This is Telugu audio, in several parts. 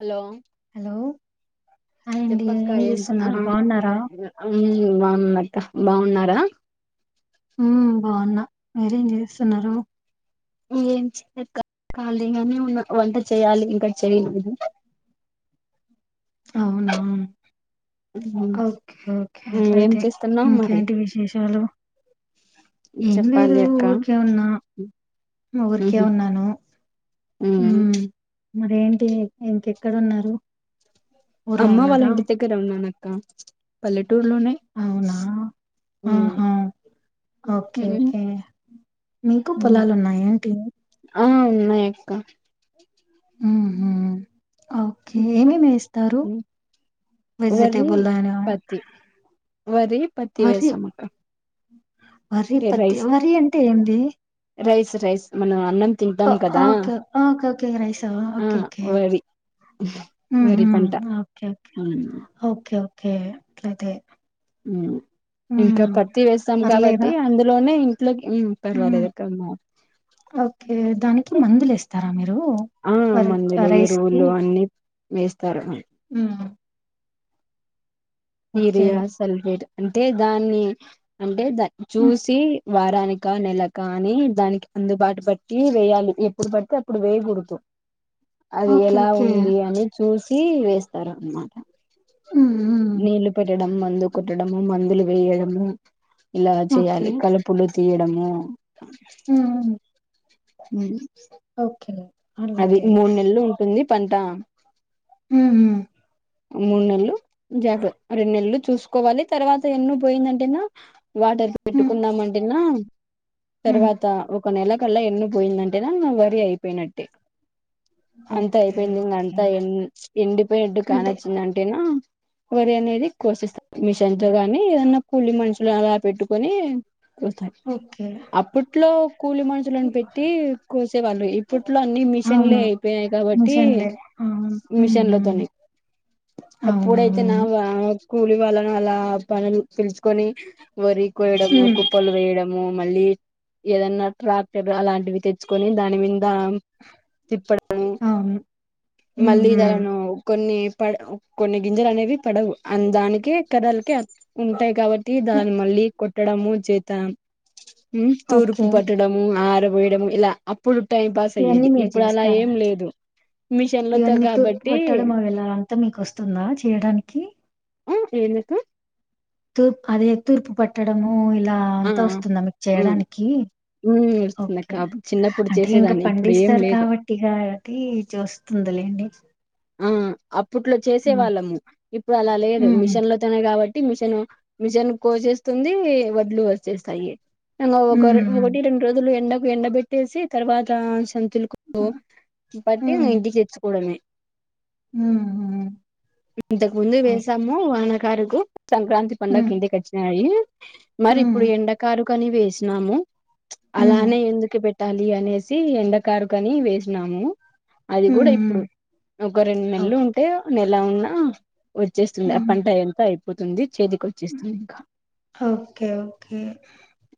హలో. హలో. ఆహ్ హాయ్ అండి చెప్పక్క ఏం చేస్తున్నారు ఆహ్ బాగున్నారా బాగున్నాం. హ్ బావున్నారా. ఉమ్ బావున్నా మీరేం చేస్తున్నారు. ఏం చెయ కా ఖాళీగానే ఉన్న వంట చేయాలి ఇంక చేయలేదు. అవునా. ఓకే ఓకే ఏం అట్లయితే చేస్తున్నావు మరి ఇంకేంటి విశేషాలు. ఏం లేదు చెప్పాలి అక్క ఊరికే ఉన్నా ఊరికే ఉహు ఉన్నాను. ఉమ్ మరేంటి ఇంక ఎక్కడ ఉన్నారు. ఊర్లో అమ్మ వాళ్ళ ఉన్నారా ఇంటి దగ్గర ఉన్నానక్కా పల్లెట్. టూలు ఉన్నాయి. అవునా ఆహా ఓకే ఓకే మీకు పొలాలు ఉన్నాయి ఏంటి. ఆహ్ ఉన్నాయి అక్క. ఉమ్ హ్ ఓకే ఏమేమీ ఏస్తారు. ఉమ్ వరి వెజిటేబులైన పత్తి వరి పత్తి వరి. వేసాం అక్క వరి పత్తి రైస్ వరి అంటే ఏంది. రైస్ రైస్ మన. ఆహ్ ఆహ్ ఓకే ఆహ్ ఓకే ఓకే రైస్ ఆహ్ ఆ ఓకే ఓకే. వరి ఉమ్ వరి పంట హ్ ఓకే ఓకే ఉమ్ ఓకే ఓకే అట్లయితే. ఇంక హ్మ్. పత్తి వేస్తాం పర్లేదా? కాబట్టి అందులోనే. ఏం హ్మ్. పర్వాలేదు అక్క మా. ఓకే దానికి మందులు ఏస్తారా మీరు ఆ వరి ఆ రైస్ కి. వేస్తారా మీరు. ఉహ్మ్. యురియా సల్ఫేట్ అంటే దాన్ని అంటే దాన్ని హ్మ్. చూసి. వారానిక నెలక అని దానికి అందుబాటు బట్టి వేయాలి ఎప్పుడు బడ్తే అప్పుడు వేయకూడదు. అది ఓకే. ఎలా ఓకే. ఉంది అని చూసి వేస్తార్ అనమాట. హ్మ్. హ్మ్. నీళ్లు పెట్టడం మందు కొట్టడం మందులు వేయడం ఇలా ఓకే. చేయాలి కలుపులు. తీయడము. [unintelligible] బాగుంది. ఏమి. ఓకే. అది అట్లయితే. మూడు నేళ్లు ఉంటుంది పంట. ఉమ్. ముడనెల్లు జాద్ రెండు నెల్లు చూసుకోవాలి తర్వాత ఎన్నో పోయిందంటేనా వాటర్ హ్మ్. పెట్టుకున్నామంటేనా హ్మ్. తర్వాత ఒ ఒక నెల కల్లా ఎండిపోయిందంటేన్ వరి అయిపోయినట్టే. అంత ఓకే. అయిపోయింది ఇంకా ఓకే. అంత ఎం ఎండిపోయినట్టు కాన. అంటే ంటేనా వరి అనేది కోసిస్తారు మిషన్ తో కాని ఏదన్నా కూలి మనుషులు అలా పెట్టుకొని కోస్తార్ ఓకే. అప్పట్లో కూలి మనుషులను పెట్టి కోసేవాళ్ళు ఇప్పట్లో అన్ని మిషన్లే అవును. అయిపోయాయి కాబట్టి నిజంలే. అవును. హ్మ్. హ్మ్. మిషన్లతోనే అప్పుడైతే అవునవును. నా వా కూ కూలి వాళ్ళను అలా పనులు పిలుచుకొని వరి కోయడం హ్మ్ కుప్పలు వేయడ ము మళ్ళీ ఏదన్నా ట్రాక్టర్ అలాంటివి తెచ్చుకొని దానిమీ ద తిప్పడం అవును. హ్మ్. హ్మ్. మళ్ళీదనను కొన్ని ప కొన్ని గింజలు అనేవి పడవు ఆ దానికే కరలకే అతుకుంటాయి కాబట్ ట్టి హ్మ్. దాని మళ్ళీ కొట్టడము చేత తూర్పు ఓకే. మ్ పట్టడము ఆర్ వేయడం ఇలా అప్పుడు టైం పాస్ ఇవన్నీ అయ్యేది మీరు ఇప్పుడు అలా చేస్తారా? ఏం లేదు మిషన్లతో కాబట్టి త్త మీకోస్తుందా చేయడానికి ఆ ఎందుకు తూప్ అదే తూర్పు పట్టడము ఇలా ఆ అంతా వస్తుందా మీకు ఉమ్ చేయడానికి హ్మ్. ఏడుస్తుందక్క. ఓకే అప్పుడు చిన్నప్పుడు అంటే ఇంకా చేసేదాన్ని. ఇప్పుడు ఏం పండిస్తారు లేదు. కాబట్టి ఇగ అది చూస్ ందిలేండి ఆ అప్పట్లో చేసే వాళ్ళము ఇప్పుడు అలా లేదు హ్మ్. మిషన్ లోతోనే కాబ ట్టి మిషన్ మిషన్ కోసేస్తుంది వడ్లు వచ్చేస్తాయి తంగా ఒక హ్మ్. ఒకటి రెండు రోజులు ఎండకు ఎండ పెట్టేసి తర్వాత సం లుకు హ్మ్. బట్టి మీ ఇంటికి తెచ్చుకోవడమే హ్మ్. హ్మ్. ఇంతకు ముందె ఓహ్! వేసాము వానకారుగు సంక్రాంతి హ్మ్. పండుగకి ఇంటికి వచ్చినాయి మరి హ్మ్. ఇప్పుడు ఎండకారు కని వేసినాము హ్మ్. అలానే ఎందుకు పెట్టాలి అనేసి ఎండకారు కని వేసినాము అది హ్మ్. కూడా ఇప్పుడు హ్మ్. ఒక రెండు ఓహ్! నెల్లు ఉంటే నెలా ఉన్నా వచ్చేస్తుంది ఆ హ్మ్. పంట ఎంత అయిపోతుంది చేతికోచ్చేస్తుంది ఇంకా ఓకే ఓకే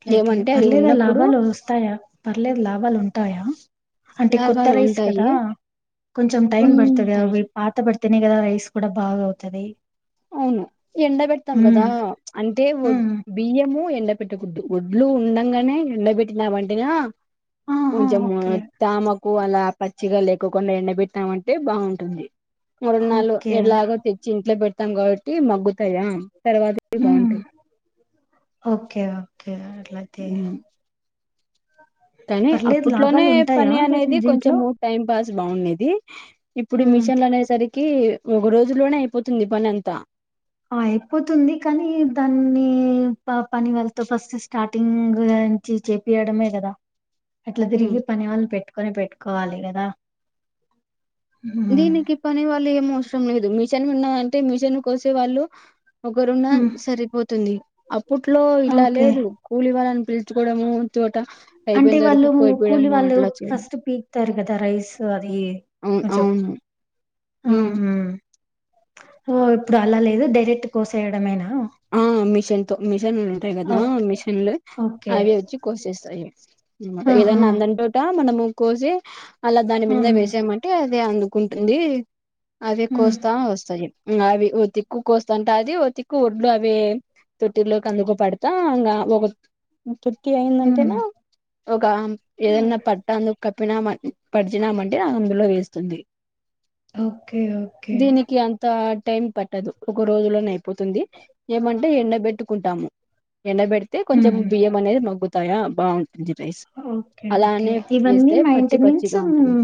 ట్లైతే ఏమంటే అది పర్లేదా ఉన్నప్పుడు లాభాలు వస్తాయా పర్లేదు లాభాలు ఉంటాయా అంటే కొత్త లాభాలు రైస్ కదా ఉంటాయి కొంచెం టైమ్ బడ్తది ఉంటాయి అవి పాత బడ్తానే కదా రైస్ కూడాబాగా అవుతది అవును ఎండ పెడతాం ఉమ్ కదా అంటే ఓడ్ ఉమ్ బియ్యం ము ఎండ పెట్టకూడదు ఒడ్లు ఉండంగానే ఎండ పెట్ ట్టినమంటేనా ఆహా కొంచెం ఓకే తామకు అలా పట్ చ్చిగా లేకోకుండా ఎండబెట్టినమంటే బాగుంటుంది మూరున్నాలు ఓకే ఎలాగో తెచ్చి ఇంట్లో పెట్ త్తం కాబట్టి మగ్గుతాయ మ్ ఓకే ఓకే అట్లైతే కానీ అప్పట్లోనే లాభాలు ఉంటాయా పని మరి అనేది దీంట్లో కొంచెము టైం పాస్ బాగుండేది ఇప్పుడు ఉమ్ మిషన్ల అనే సరి కి ఒక రోజులోనే అయిపోతుంది పని అంతా ఆ అయిపోతుంది కానీ దాన్ని ప పని వాళ్ళతో ఫస్ట్ స్టార్టింగ్ నుంచి చేపియడమే కదా ఎట్లా ఉమ్ తిరిగి పని వాళ్ళని పెట్టుకొని పెట్టుకోవాలి కదా ఉమ్ దీనికి పని వాళ్ళు ఏం అవసరం లేదు మిషన్ ఉన్నదంటే మిషన్ కోసే వాళ్ళు ఒకరున్న ఉమ్ సరిపోతుంది అప్పుట్లో ఇలా ఓకే లేదు కూలివాలన్ పిలుచుకోడము చ్ అంటే వాళ్ళు కూలి వాళ్ళు అట్లా చేయడం ఫస్ట్ పీకుతారు కదా రైస్ అది చం మ్ ఓ ఇప్పుడు అలా లేదు డైరెక్ట్ కోసేయడమేనా మిషన్తో మిషన్లు ఉంటాయి గదా ఓకే మిషన్లు ఓకే అవి వచ్చి కోసేస్తాయి. ఆహా ఏదన్న అందన్ టోట మనము కోసి అలా దాని మింద ఉమ్ వేసామంటే అదే అందుకుంటుంది, అదే ఉమ్ కోస్తా వస్తాయి. మ్ అవి ఓ దిక్కు కోస్తాంటే అది ఓ దిక్కు ఒడ్ డ్లు అవే తొట్టిలో కందుకో పడ్తా గ ఒ ఉమ్ కేందంటేనా ఒక ఏదన్న పట్ట [inaudible] ప్పినామన్ పడిచినామంటే అందులో వేస్తుంది. ఓకే ఓకే దీనికి అంతా టైం పట్టదు. ఒక రోజులోనే అయిపోతుంది ఏమంటే ఎండబెట్టుకుంటాము. ఎండబెడితే కొంచెం ఉమ్ బియ్యం అనేద్ మగ్గుతాయా బావున్ ఓకే ఓకే ఇవన్నీ చేస్తే పచ్చి మైంటెనెన్స్ పచ్చిగా ఉంటుంది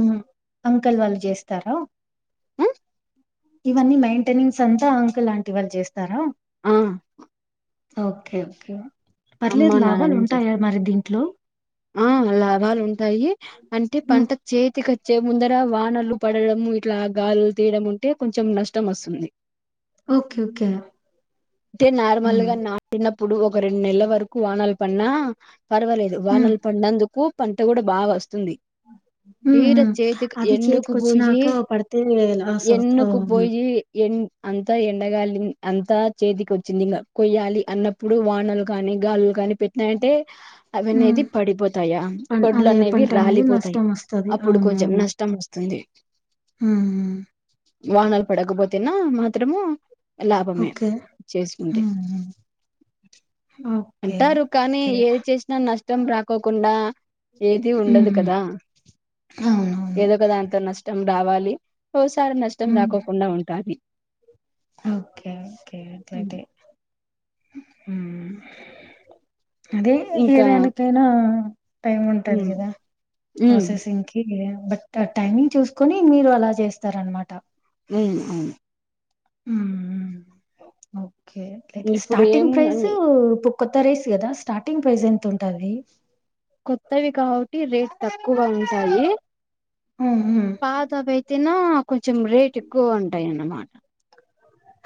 అంకల్ వాళ్ళు చేస్తారా? ఇవన్నీ మైంటెనెన్స్ అంతా అంకుల్, ఆంటి వాళ్ చేస్తారా? ఆ ఓకే ఓకే అమ్మ పర్లేద్ లాభాల్ నాన్ననే ఉంటాయా చేస్తారు మరి దీంట్లో ఆ లాభాలుంటాయి అంటే మ్మ్. పంట చేతికొ చ్చే ముందర వానలు పడడము ఇట్ల గాలులు తీడం ఉంటే కొంచం నష్టం వస్తుంది. ఓకే ఓకే టే ఉమ్ నార్మల్గ నాటినప్ ప్పుడు ఒక రెండ్ నెల్ల వరకు వానల్ పడ్నా పర్వాలేదు ఉమ్ వానలు పడ్నందుకు పంట గుడ బాగా వస్తుంది. ఆహ తీర చేతిక్ ఎండుకుపోయి పడితే లాస్ అవుతా అవును. ఎండుకుపోయి ఎన్ అంతా ఎండగాలిన్ అంతా చేతికొచ్చింది ఇంగ కొయ్యాలి అన్నప్పుడు వానలు కానీ గాలుల్ కాని పెట్టినాయంటే అవి హ్మ్. అనేది పడిపోతాయా పన్ వడ్లు అదే అనేవి పంటనేది రాలిపోతాయ్ నష్టమొస్తది. అప్పుడు కొంచం అవునవును. నష్టం వస్తుంది. హ్మ్ వానలు పడకపోతెనా మాత్రము లాభమే ఓకే. చేస్కుంటే హ్మ్. హ్మ్. ఓకే. అంటారు కానీ అట్లయితే ఏద్ చేసినా నష్టం రాకోకుండా ఏది హ్మ్. ఉండదు హ్మ్. కదా అవునవును. ఏదో ఒక దాంట్లో నష్టం రావాలి. ఓసారి నష్టం హ్మ్. రాకోకుండా ఉంటాది. ఓకే ఓకే అట్లైతే హ్మ్ అదే ఏ ఇంకా దానికైనా టైం ఉంటాది ఉమ్ గదా ఉమ్ ప్రాసెసింగ్కి యా బట్ ఆ టైమింగ్ చూస్కోని మీరు అలా చేస్తారన్మాట. మ్ అవును. మ్ ఓకే ఓకే ఇప్పుడు స్టార్టింగ్ ప్రైజ్ ఏముందండి కొత్త రైస్ గదా స్టార్టింగ్ ప్రైస్ ఎంతుంటాది? కొత్తవి కాబట్టి రేట్ తక్కువ ఉంటాయి. హ్మ్. హ్మ్. పాతవైత్ తెనా కొంచం రేట్ ఎక్కువగా ఉంటాయన్నమాట.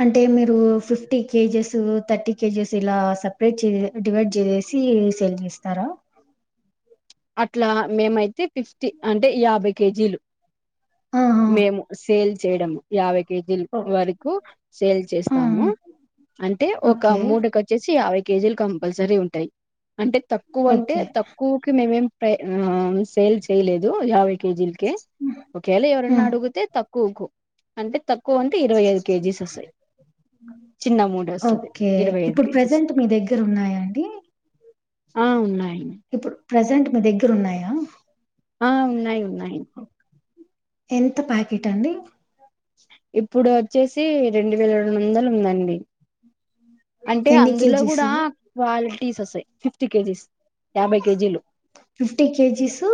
అంటే మీరు ఫిఫ్టీ కేజెస్, థర్టీ కేజెస్ ఇలా సపరేట్ చే డివైడ్ చే సీ సేలింగ్ చేస్తారా? అట్లా మేమైతే ఫిఫ్టీ అంటే యాభై కేజీలు అ మేము సేల్ చేయడము యాబై కేజీల్ ఓహ్! వరకు సేల్ ఆ! చేస్తాము. ఆ! అంటే ఒక ఓకే. మూడుకొచ్చేసి యావై కేజీలు కంపల్సరీ ఉంటాయి అంటే తక్కువ అంటే ఓకే. తక్కువ్ మేమేం ప్రై అహ్ సేల్ చేయలేదు యాబై కేజీల్ కె హ్మ్. ఓకేలే ఎవరన్న హ్మ్. అడుగుతె తక్కువుకు అంటే తక్కువన్ కి ఇరవై ఐదు కేజీస్ సొస్తయ్ చిన్న మూడొస్తది ఓకే. ఇరవై ఐదు ఇప్పుడు కేజీస్ ప్రెజెంట్ మీ దగ్గరున్నాయా ఆ ఉన్నాయ్ ఇప్పుడ్ ప్రజెంట్ మీ దెగ్గరున్నాయ ఆ ఉన్నాయ్ ఉన్నాయ్ ఎంత ప్యాకీట్ అండి ఇప్పుడు వచ్చేసి రెండు వేల రొండు వందల్ ఉందండి అంటె ఎన్ని అందులో కూడా కేజీసు? క్వాల్ టీస్ ఒస్తయ్ ఫిఫ్టీ కేజీస్ యాబై కేజీలు ఫిఫ్టీ కేజీస్సు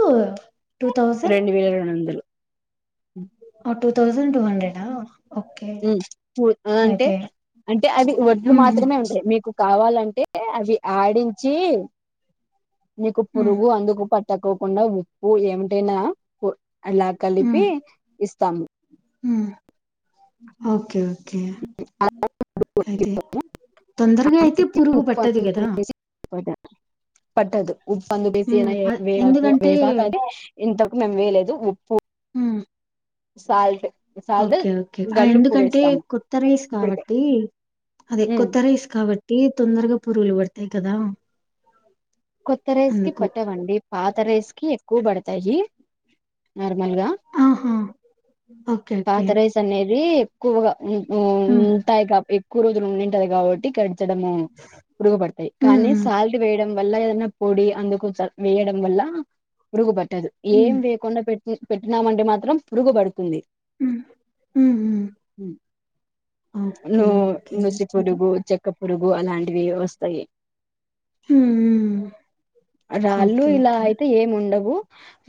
టు థౌజన్ రెండు వేల రెండు వందలు టు థౌసండ్ టూ హండ్రెడ్ ఆ ఓకే. ఉ ఉ అ అంటె అయితే అంటె అది వడ్లు ఉహు మాత్రమే ఉంటయి మీకు కావాల అంటే అవి ఆడించీ నీకు ఉ పురుగు అందుకు పట్ తక్కుకుండా ఉప్పు ఏమ్టైనా ఉ అలా కలిపి ఇస్తాము ఊ ఓకే ఓకే ఐతే తొందరగా అయితే పురుగు ఉప్పు పట్టది కదా అందుకు వేసి పట్టదు ఉప్పు అందువేసిన ఉమ్ అ వేప ఎందుకంటే వేపాకు అది ఇంతకు మేమ్ వేయలేదు ఉప్పు ఉ సాల్ట్ సాల్ట్ ఓకే ఓకే ఆ గల్లుప్పు ఎందుకంటే వేస్తాము కొత్త రైస్ ఇప్పటికే కావట్టి అదె కొత్త రైస్ కాబట్టి తొందరగా పురుగులు పడ్తయ్ కదా కొత్త రైస్ కి అందుకు పట్టవండి పాత రైస్ కి ఎక్కువ బడతాయి నర్ ర్మల్గా ఆహా ఓకే ఓకే పాత రైస్ అనేది ఎక్కువగా నీకు ఉ ఉంట్టాయ్ కా ఎక్కువ రోజులు ఉండింటదయ్ కాబట్టి క చడమూ పురుగుపడ్తయ్ ఉ కానీ ఉ సాల్ట్ వేయడం వల్ల ఏదన్న పొడి అందుకు చ వేయడం వల్ల పురుగుపట్టదు ఉ ఏం వేయకుండా పెట్ ఇ పెట్టినామంటె మాత్రం పురుగుపడుతుంది ఉ ఉ హు ఓకే నూ ఓకే నూషి అయితే పుడుగు చెక్క పురుగు అలాంటివి వస్తయి ఉ రాళ్ళు ఓకే ఇలా ఓకే అయితే ఏమ్ ఉండవు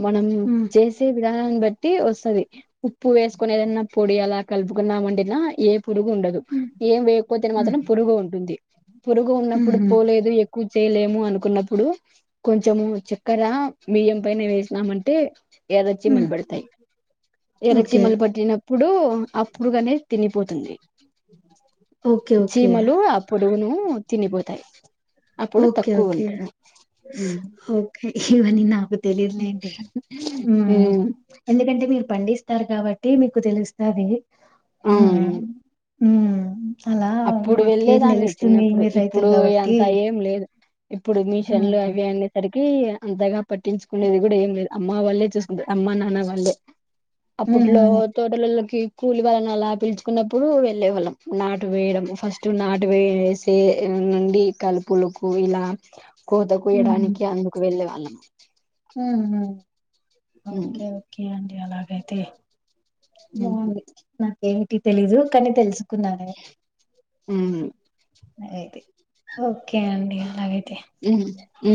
మనం ఉ చేసే విధానాన్ని బట్టి వస్తాది ఉప్పు వేస్కొని ఏదన్నా పొడి అలా కల్పుకున్నామంటేనా ఏ పురుగు ఉండదు ఉ ఏం వెయ్యకుపోతేనా ఉ మాత్రం పురుగు ఉంటుంది పొరుగు ఉ ఉన్నప్పుడు పోలేదు ఎక్కువ్ చేయలేము అనుకున్నప్పుడు కొంచము చక్కెర బియంపైనే వేసినామంటే ఎర్ర ఉ చీమల్ బడతాయ్ ఎర్ర ఓకే చిమల్ పట్టినప్పుడు అప్పుడ్గనే తినిపోతుంది ఓకే ఓకే చీమలు ఆ పురుగును తినిపోతాయ్ అప్పుడు ఓకే. తక్కువ ఓకే. ఉంటయ్ ఓకే ఇవన్నీ నాకు తెలీద్లేండి మ్మ్ ఉమ్, ఎందుకంటే మీ పండిస్తార్ కాబట్టి మీకు తెలుస్తాది అవును ఉమ్ ఉమ్ అలా అప్పుడు మాకేం వెళ్ళేదాన్ని తెలుస్తుంది చిన్నప్పుడు మీర్ ఇప్పుడు రైతుల్ కాబట్టి అంత ఏం లేదు ఇప్పుడు మీషన్లు హ్మ్. అవి అన్నీ సరికీ తీ అంతగా పట్టించుకునేది కూడా ఏం లేదు అమ్మావాళ్ళె చూస్కుంటరు అమ్మ నాన్న వాళ్ళే అప్పట్లో హుహు. తోటలోల్లకి కూలివాళ్లని అలా పిల్చుకున్నప్పుడు వెళ్ళే వాళ్ళం నాట్ టు వేయడము ఫస్ట్ నాటు వేసే నుండి కలుపులకు ఇలా కోత హ్మ్. కూయడానికి అందుకు వెళ్ళే వాళ్ళం ఊహు ఉమ్ ఒక్కే ఒక్కే అండి అలాగైతే ఉమ్ బాగుంది నాకేంటి తెలీదు కానీ తెల్సు కున్నాను ఉమ్ నేను అయితే ఓకే అండి ఉమ్ మ్